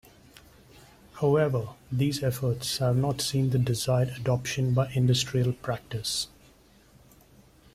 However, these efforts have not seen the desired adoption by industrial practice.